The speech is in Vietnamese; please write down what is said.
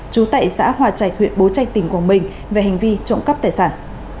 trú tại xã hòa trạch huyện bố trạch tỉnh quảng bình về hành vi trộm cắp tài sản